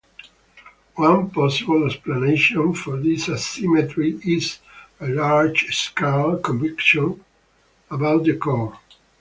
One possible explanation for this asymmetry is a large-scale convection above the core.